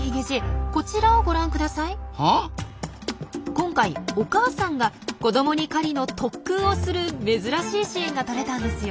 今回お母さんが子どもに狩りの特訓をする珍しいシーンが撮れたんですよ。